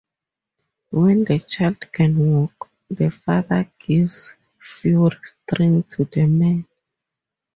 When the child can walk, the father gives fur-string to the man.